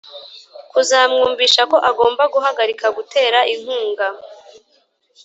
kuzamwumvisha ko agomba guhagarika gutera inkunga